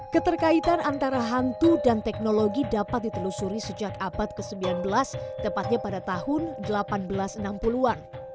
keterkaitan antara hantu dan teknologi dapat ditelusuri sejak abad ke sembilan belas tepatnya pada tahun seribu delapan ratus enam puluh an